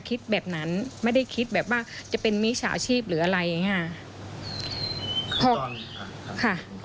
คิดแบบนั้นไม่ได้คิดแบบว่าจะเป็นมิจฉาชีพหรืออะไรอย่างนี้ค่ะ